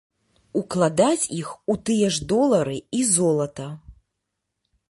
Укладаць іх у тыя ж долары і золата.